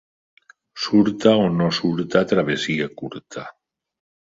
Surta o no surta, travessia curta.